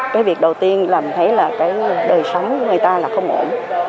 cái việc đầu tiên là mình thấy là cái đời sống người ta là không ổn